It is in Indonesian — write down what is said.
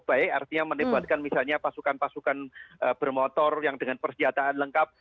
baik artinya menebatkan misalnya pasukan pasukan bermotor yang dengan persenjataan lengkap